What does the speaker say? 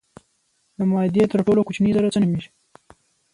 د مادې تر ټولو کوچنۍ ذره څه نومیږي.